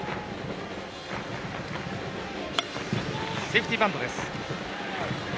セーフティーバントです。